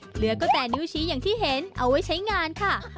เหลือก็แต่นิ้วชี้อย่างที่เห็นเอาไว้ใช้งานค่ะ